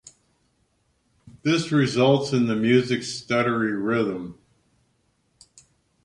This results in the music's stuttery rhythm.